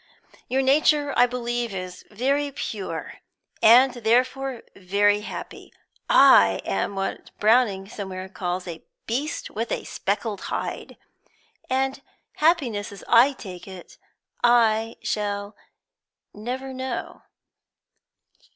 "Your nature, I believe, is very pure, and therefore very happy. I am what Browning somewhere calls a 'beast with a speckled hide,' and happiness, I take it, I shall never know."